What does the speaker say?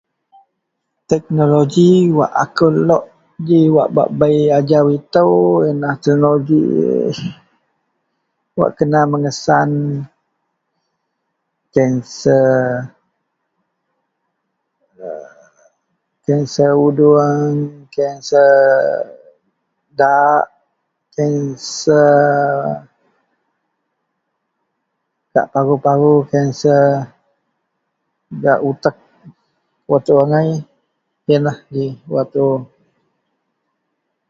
Teknoloji wak akou lok ji wak bak bei ajau ito iyenlah teknoloji wak kena mengesan kanser ,kanser uduong kanser daak kanser paru-paru kanser gak utek wak tuo angai iyenlah ji wak tuo.